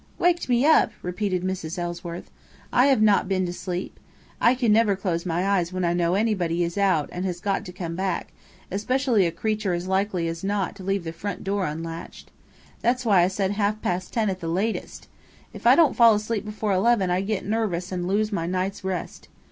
"Waked me up!" repeated Mrs. Ellsworth. "I have not been to sleep. I never can close my eyes when I know anybody is out and has got to come back, especially a careless creature as likely as not to leave the front door unlatched. That's why I said half past ten at latest! If I don't fall asleep before eleven I get nervous and lose my night's rest.